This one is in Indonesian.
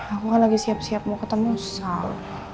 aku kan lagi siap siap mau ketemu sal